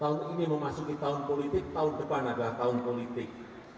tahun ini memasuki tahun politik tahun depan adalah tahun politik